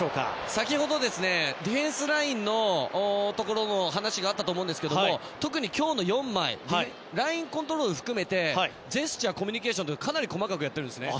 先ほどディフェンスラインの話がありましたが特に今日の４枚はラインコントロールを含めてジェスチャーコミュニケーションを含めてかなり細かくやってるんです。